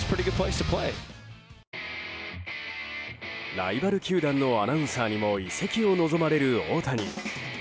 ライバル球団のアナウンサーにも移籍を望まれる大谷。